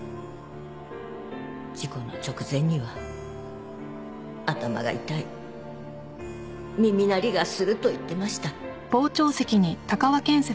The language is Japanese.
事故の直前には頭が痛い耳鳴りがすると言ってました。